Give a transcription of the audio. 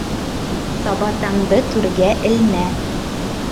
Сабатаңды түргә элмә.